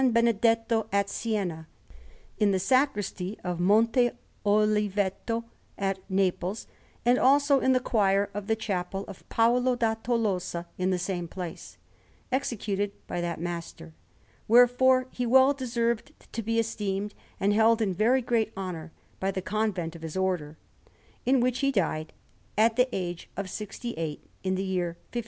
Benedetto at Siena, in the Sacristy of Monte Oliveto at Naples, and also in the choir of the Chapel of Paolo da Tolosa in the same place, executed by that master. Wherefore he well deserved to be esteemed and held in very great honour by the convent of his Order, in which he died at the age of sixty eight, in the year 1537.